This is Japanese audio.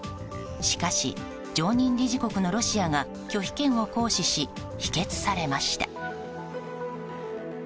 しかし常任理事国のロシアが拒否権を行使し否決されました。